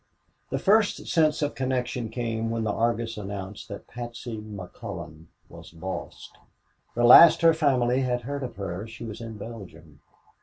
The first sense of connection came when the Argus announced that Patsy McCullon was lost. The last her family had heard of her she was in Belgium.